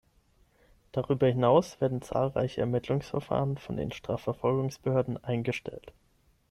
Darüber hinaus werden zahlreiche Ermittlungsverfahren von den Strafverfolgungsbehörden eingestellt.